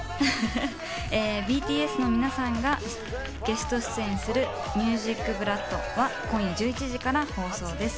ＢＴＳの皆さんがゲスト出演する『ＭＵＳＩＣＢＬＯＯＤ』は今夜１１時から放送です。